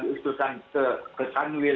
diusulkan ke kanwil